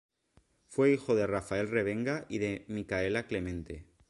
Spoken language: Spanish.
Fue hijo de Rafael Revenga y de Micaela Clemente.